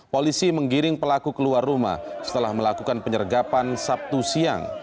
polisi menggiring pelaku keluar rumah setelah melakukan penyergapan sabtu siang